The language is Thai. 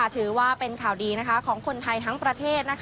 ถือว่าเป็นข่าวดีของคนไทยทั้งประเทศ